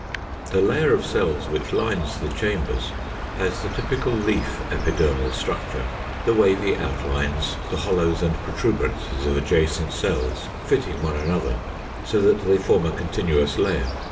The layer of cells which lines the chambers has the typical leaf epidermal structure, the wavy outlines, the hollows and protuberances of adjoining cells fitting one another so that they form a continuous layer.